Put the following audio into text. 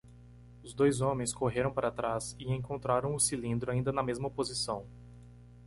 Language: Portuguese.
Os dois homens correram para trás e encontraram o cilindro ainda na mesma posição.